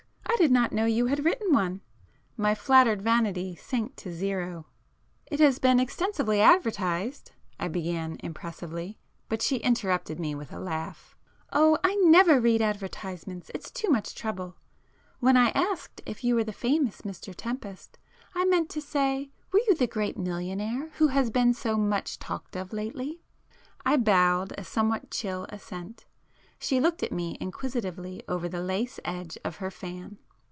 I did not know you had written one?" My flattered vanity sank to zero. "It has been extensively advertised," I began impressively,—but she interrupted me with a laugh. "Oh I never read advertisements,—it's too much trouble. When I asked if you were the famous Mr Tempest, I meant to say were you the great millionaire who has been so much talked of lately?" [p 90]I bowed a somewhat chill assent. She looked at me inquisitively over the lace edge of her fan.